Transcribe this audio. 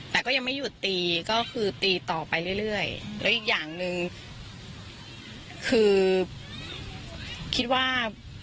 แต่ก็ยังไม่หยุดตีก็คือตีต่อไปเรื่อยแล้วอีกอย่างหนึ่งคือคิดว่า